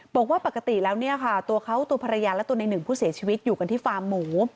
บอกว่าปกติแล้วเนี่ยค่ะตัวเขาตัวภรรยาและตัวในหนึ่งผู้เสียชีวิตอยู่กันที่ฟาร์มหมู